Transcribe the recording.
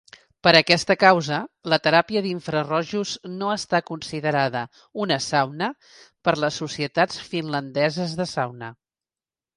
Per aquesta causa, la teràpia d'infrarojos no està considerada una sauna per les societats finlandeses de sauna.